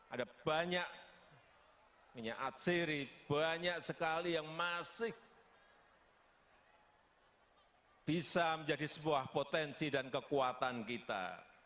ada banyak minyak atsiri banyak sekali yang masih bisa menjadi sebuah potensi dan kekuatan kita